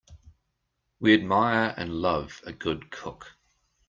We admire and love a good cook.